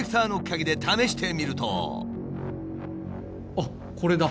あっこれだ。